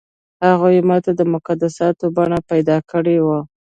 هغو ماته د مقدساتو بڼه پیدا کړې وه.